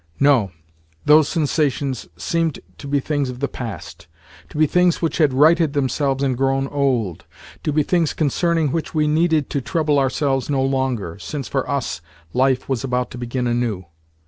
No, those sensations seemed to be things of the past, to be things which had righted themselves and grown old, to be things concerning which we needed to trouble ourselves no longer, since, for us, life was about to begin anew.